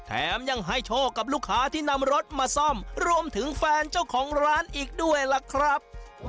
แถมยังให้โชคกับลูกค้าที่นำรถมาซ่อมรวมถึงแฟนเจ้าของร้านอีกด้วยล่ะครับ